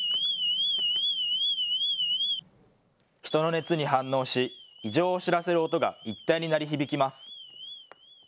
人の熱に反応し、異常を知らせる音が一帯に鳴り響きます。